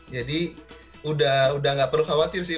jadi sudah nggak perlu khawatir sih